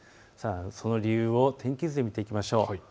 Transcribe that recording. その理由を天気図で見ていきましょう。